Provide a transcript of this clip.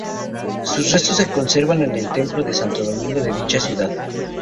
Sus restos se conservan en el templo de Santo Domingo de dicha ciudad.